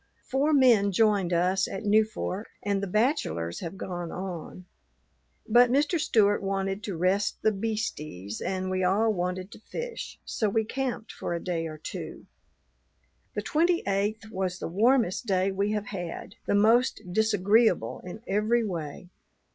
Four men joined us at Newfork, and the bachelors have gone on; but Mr. Stewart wanted to rest the "beasties" and we all wanted to fish, so we camped for a day or two. The twenty eighth was the warmest day we have had, the most disagreeable in every way.